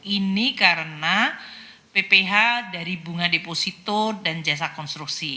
ini karena pph dari bunga deposito dan jasa konstruksi